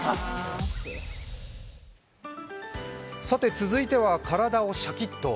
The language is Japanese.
続いては体をシャキッと。